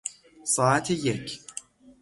ساعت یک